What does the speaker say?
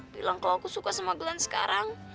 bilang kalau aku suka sama glenn sekarang